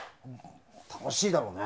楽しいだろうね。